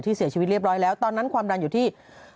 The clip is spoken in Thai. เสียชีวิตเรียบร้อยแล้วตอนนั้นความดันอยู่ที่